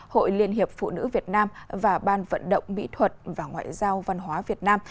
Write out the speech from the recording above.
hội liên hiệp phụ nữ việt nam và ban vận động mỹ thuật và ngoại giao văn hóa việt nam